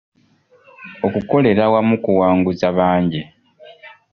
Okukolera awamu kuwanguza bangi.